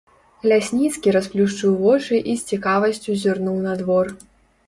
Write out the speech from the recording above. Лясніцкі расплюшчыў вочы і з цікавасцю зірнуў на двор.